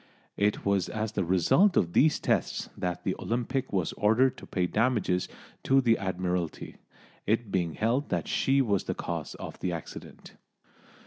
It was as the result of these tests that the Olympic was ordered to pay damages to the Admiralty, it being held that she was the cause of the accident.